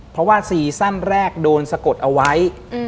เพราะว่าซีซั่นแรกโดนสะกดเอาไว้